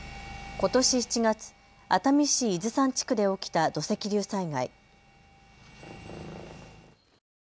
ことし７月、熱海市伊豆山地区で起きた土石流災害。